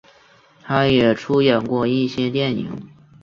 他也出演过一些电影。